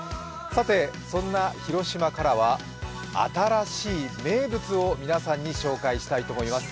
さて、そんな広島からは新しい名物を皆さんに紹介したいと思います。